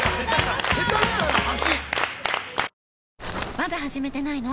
まだ始めてないの？